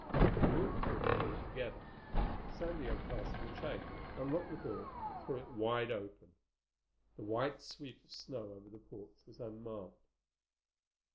They walked through the hall together. Sandy unfastened the chain, unlocked the door, and threw it wide open. The white sweep of snow over the porch was unmarked.